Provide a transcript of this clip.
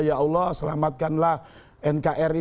ya allah selamatkanlah nkri